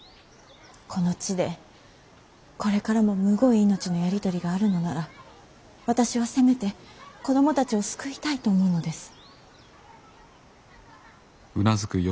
この地でこれからもむごい命のやり取りがあるのなら私はせめて子供たちを救いたいと思うのです。